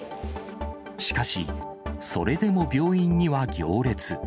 しかし、それでも病院には行列。